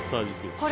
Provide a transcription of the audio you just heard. これ。